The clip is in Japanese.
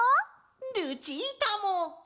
ルチータも！